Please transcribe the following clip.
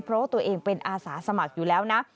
เพราะว่าตัวเองเป็นอาสาสมัครอยู่แล้วนะ